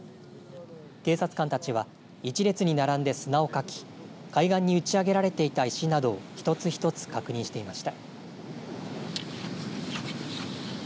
警察官たちは１列に並んで砂をかき海岸に打ち上げられていた石などをひとつひとつ確認していました。